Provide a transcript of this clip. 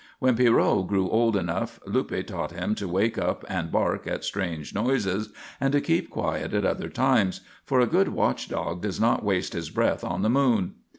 When Pierrot grew old enough Luppe taught him to wake up and bark at strange noises and to keep quiet at other times, for a good watchdog does not waste his breath on the moon.